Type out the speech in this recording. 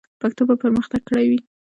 پښتو به پرمختګ کړی وي.